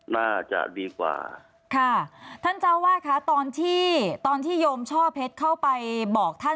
น่าจะดีกว่าค่ะท่านเจ้าว่าคะตอนที่ตอนที่โยมช่อเพชรเข้าไปบอกท่าน